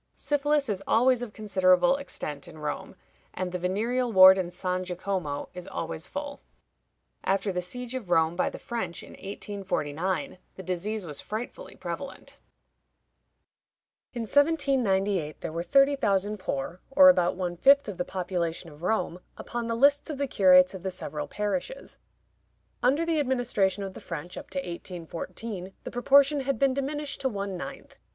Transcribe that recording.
Syphilis is always of considerable extent in Rome, and the venereal ward in San Jacomo is always full. After the siege of Rome by the French in 1849, the disease was frightfully prevalent. In 1798 there were thirty thousand poor, or about one fifth of the population of Rome, upon the lists of the curates of the several parishes. Under the administration of the French, up to 1814, the proportion had been diminished to one ninth.